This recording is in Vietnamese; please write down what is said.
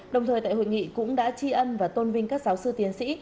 đồng thời tại hội nghị cũng đã tri ân và tôn vinh các giáo sư tiến sĩ